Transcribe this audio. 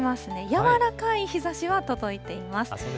やわらかい日ざしは届いています。